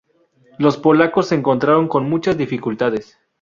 Los polacos se encontraron con muchas dificultades.